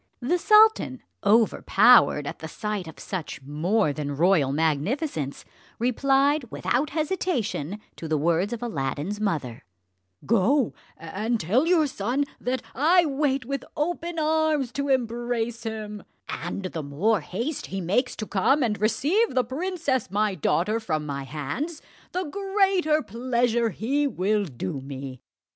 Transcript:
The sultan, overpowered at the sight of such more than royal magnificence, replied without hesitation to the words of Aladdin's mother: "Go and tell your son that I wait with open arms to embrace him; and the more haste he makes to come and receive the princess my daughter from my hands, the greater pleasure he will do me."